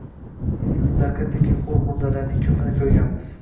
Sizdaqa tekinxoʻr murdalarning koʻpini koʻrganmiz.